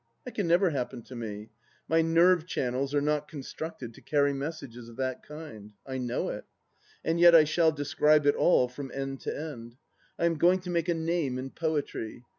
... That can never happen to me. My nerve channels are not constructed to carry messages of that kind. I know it. ^nd yet I sbajl describe it all from end to end. I aqj THE LAST DITCH 265 going to make a name in poetry.